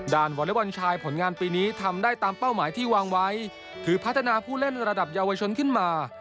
วอเล็กบอลชายผลงานปีนี้ทำได้ตามเป้าหมายที่วางไว้ถือพัฒนาผู้เล่นระดับเยาวชนขึ้นมา